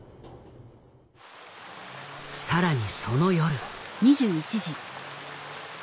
更にその夜。